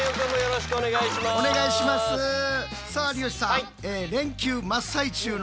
さあ有吉さん